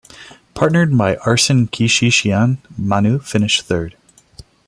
Partnered by Arsen Kishishian, Manou finished third.